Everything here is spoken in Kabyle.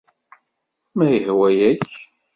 Ma yehwa-yak...